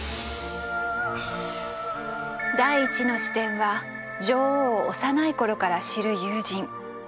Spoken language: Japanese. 第１の視点は女王を幼い頃から知る友人。